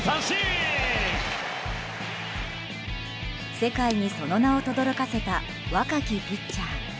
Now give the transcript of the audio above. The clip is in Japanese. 世界にその名をとどろかせた若きピッチャー。